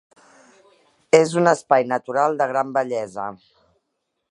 És un espai natural de gran bellesa.